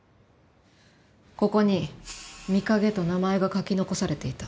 ここに「ミカゲ」と名前が書き残されていた。